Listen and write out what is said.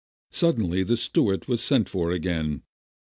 Suddenly the steward was sent for again.